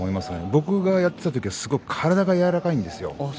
僕がやっていた時は、すごく体が柔らかいんですよ。